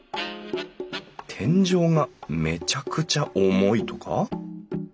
天井がめちゃくちゃ重いとか？